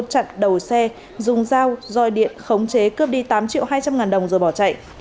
chặn đầu xe dùng dao roi điện khống chế cướp đi tám triệu hai trăm linh ngàn đồng rồi bỏ chạy